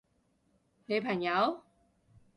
你朋友？